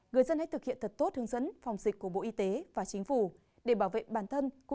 người dân hãy thực hiện thật tốt hướng dẫn phòng dịch của bộ y tế và chính phủ để bảo vệ bản thân